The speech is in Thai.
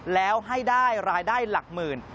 แล้วให้ได้รายได้หลักหมื่น